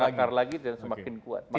semakin mengakar lagi dan semakin kuat